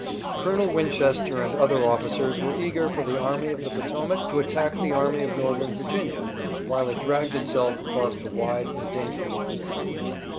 Colonel Winchester and other officers were eager for the Army of the Potomac to attack the Army of Northern Virginia, while it dragged itself across the wide and dangerous ford.